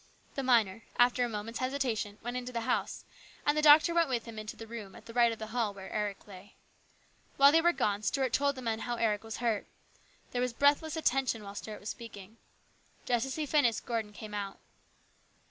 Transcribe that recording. The miner, after a moment's hesitation, went into the house, and the doctor went with him into the room at the right of the hall where Eric lay. While they were gone Stuart told the men how Eric was hurt There was breathless attention while Stuart was speaking. Just as he finished, Gordon came out.